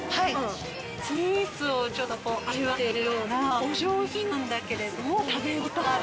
スイーツをちょっとこう味わっているようなお上品なんだけれども食べ応えがある。